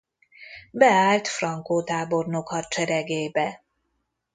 Beállt Franco tábornok hadseregébe.